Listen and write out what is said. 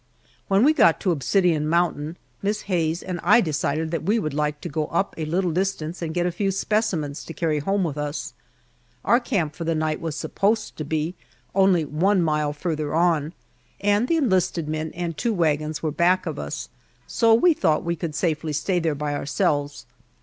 When we got to Obsidian Mountain, Miss Hayes and I decided that we would like to go up a little distance and get a few specimens to carry home with us. Our camp for the night was supposed to be only one mile farther on, and the enlisted men and two wagons were back of us, so we thought we could safely stay there by ourselves.